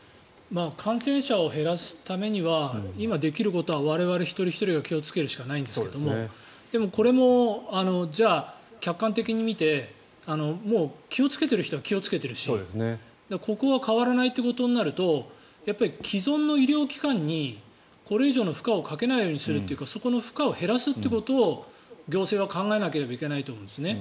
感染者を減らすためには今できることは我々一人ひとりが気をつけるしかないんですがでもこれもじゃあ、客観的に見てもう気をつけている人は気をつけているしここは変わらないということになると既存の医療機関にこれ以上の負荷をかけないようにするというかそこの負荷を減らすということを行政は考えなければいけないと思うんですね。